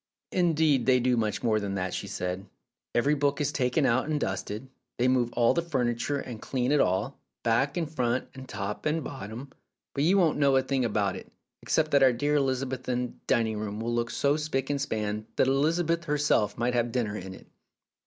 "Indeed, they do much more than that," she said. "Every book is taken out and dusted; they move all the furniture, and clean it all, back and front and top and bottom. But you won't know a thing about it, except that our dear Elizabethan dining room will look so spick and span that Elizabeth herself might have dinner in it.